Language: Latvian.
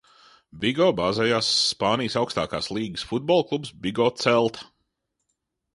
"Bigo bāzējas Spānijas augstākās līgas futbola klubs Bigo "Celta"."